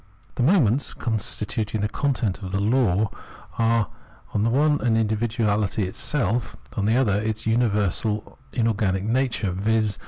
The moments constituting the content of the law are on the one hand individuality itself, on the other its universal inorganic nature, viz.